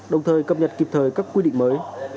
đồng thời cập nhật kịp thời các quy định mới